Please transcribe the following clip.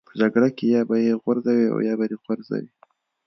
په جګړه کې یا به یې غورځوې یا به دې غورځوي